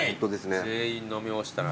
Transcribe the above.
全員飲み干した。